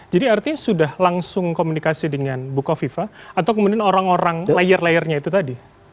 jadi artinya sudah langsung komunikasi dengan buko viva atau kemudian orang orang layar layarnya itu tadi